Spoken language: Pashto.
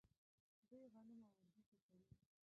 دوی غنم او وربشې کري.